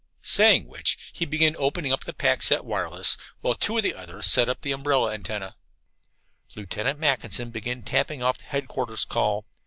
Saying which he began opening up the pack set wireless, while two of the others set up the umbrella antenna. Lieutenant Mackinson began tapping off the headquarters call.